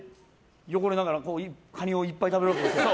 汚れながらカニをいっぱい食べるわけです。